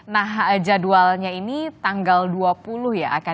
nah jadwalnya ini tanggal dua puluh ya akan